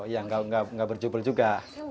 iya gak berjubel juga